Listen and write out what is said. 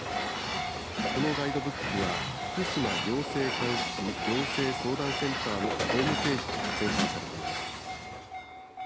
このガイドブックは福島行政監視行政相談センターのホームページで公開されています。